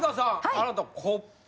あなたコップ。